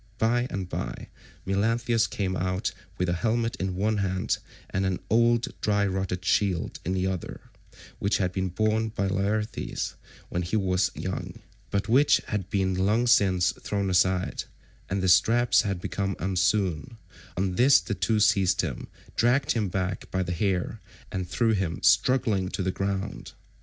By and by Melanthius came out with a helmet in one hand, and an old dry rotted shield in the other, which had been borne by Laertes when he was young, but which had been long since thrown aside, and the straps had become unsewn; on this the two seized him, dragged him back by the hair, and threw him struggling to the ground.